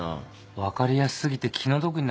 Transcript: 分かりやす過ぎて気の毒になるくらいだね。